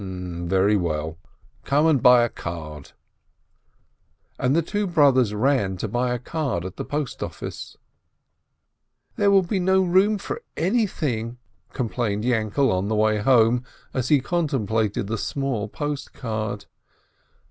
"Very well. Come and buy a card." And the two brothers ran to buy a card at the post office. "There will be no room for anything!" complained Yainkele, on the way home, as he contemplated the small post card.